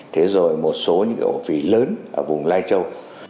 thế rồi một số những cái ổ phỉ lớn ở vùng lai châu